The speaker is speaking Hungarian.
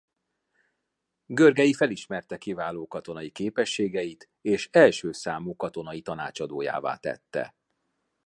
Görgei felismerte kiváló katonai képességeit és első számú katonai tanácsadójává tette.